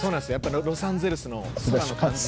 ロサンゼルスの空の感じで。